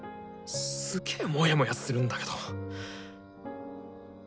すげえモヤモヤするんだけど。